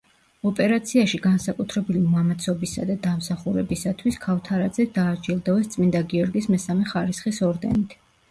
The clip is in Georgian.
ოპერაციაში განსაკუთრებული მამაცობისა და დამსახურებისათვის ქავთარაძე დააჯილდოვეს წმინდა გიორგის მესამე ხარისხის ორდენით.